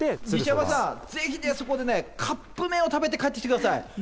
西山さん、ぜひ、そこでね、カップ麺を食べて帰ってきてください。